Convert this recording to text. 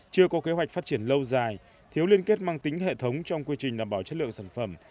chưa có kế hoạch phát triển lâu dài thiếu liên kết mang tính hệ thống trong quy trình đảm bảo chất lượng sản phẩm